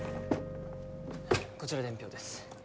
こちら伝票です。